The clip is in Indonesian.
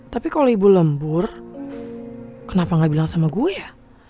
tapi kalau ibu lembur kenapa gak bilang sama gue ya